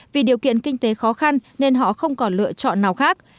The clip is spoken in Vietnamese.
vì điều kiện kinh tế khó khăn nên họ không còn lựa chọn nào khác